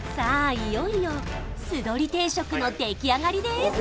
いよいよ酢どり定食の出来上がりです